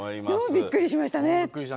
びっくりしましたね。